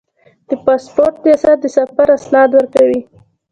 د پاسپورت ریاست د سفر اسناد ورکوي